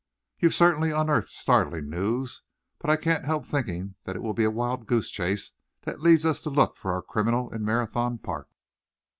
You've certainly unearthed startling news, but I can't help thinking that it will be a wild goose chase that leads us to look for our criminal in Marathon Park!"